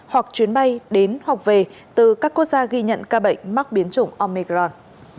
hoặc chuyến bay đến hoặc về từ các quốc gia ghi nhận ca bệnh mắc biến chủng omegron